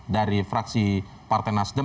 dari fraksi partai nasdem